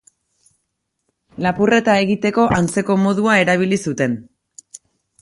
Lapurreta egiteko antzeko modua erabili zuten.